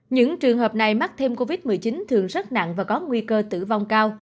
những trường hợp này mắc thêm covid một mươi chín thường rất nặng và có nguy cơ tử vong cao